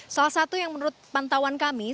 salah satu yang menurut pantauan kami